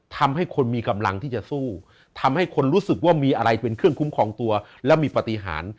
ทำให้คนมีกำลังที่จะสู้ทำให้คนรู้สึกว่ามีอะไรเป็นเครื่องคุ้มครองตัวและมีปฏิหาร